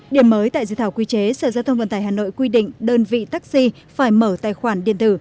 điểm mới tại dự thảo quy chế sở giao thông vận tải hà nội quy định đơn vị taxi phải mở tài khoản điện tử